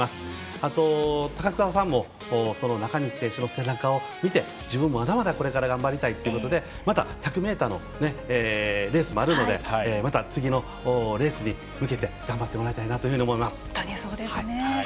あと、高桑さんもその中西選手の背中を見て自分、まだまだこれから頑張りたいということでまだ１００ｍのレースもあるのでまた、次のレースに向けて頑張ってもらいたいです。